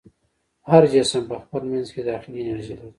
هر جسم په خپل منځ کې داخلي انرژي لري.